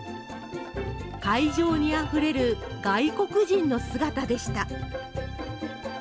会場にあふれる外国人の姿でした。